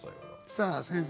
さあ先生